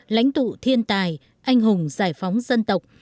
lãnh tụ thiên tài anh hùng giải phóng dân tộc